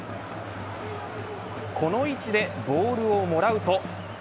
この位置でボールをもらうと。